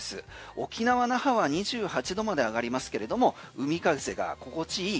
沖縄・那覇は２８度まで上がりますけれども海風が心地いい